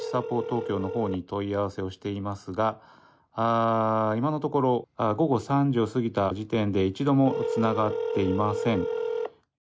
ぽ東京のほうに問い合わせをしていますが今のところ午後３時を過ぎた時点で一度もつながっていません。